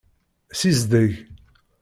Sizdeg.